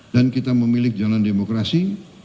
dan kita memiliki jalan demokrasi